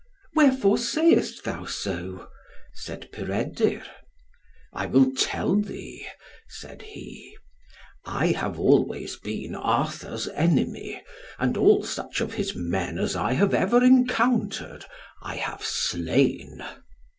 "Wherefore sayest thou so?" said Peredur. "I will tell thee," said he, "I have always been Arthur's enemy, and all such of his men as I have ever encountered, I have slain."